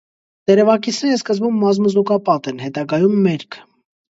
Տերևակիցները սկզբում մազմզուկապատ են, հետագայում՝ մերկ։